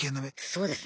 そうですね。